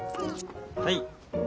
はい。